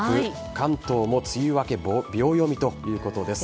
関東も梅雨明け秒読みということです。